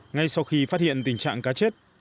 ngay sau khi phát hiện tình trạng cá chết